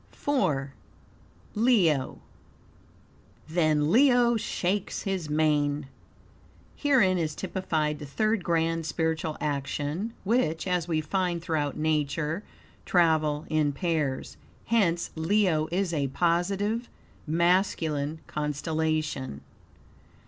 V. Leo "Then Leo shakes his mane." Herein is typified the third grand spiritual action which, as we find throughout Nature, travel in pairs; hence Leo is a positive, masculine constellation.